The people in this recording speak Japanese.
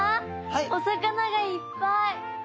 お魚がいっぱい！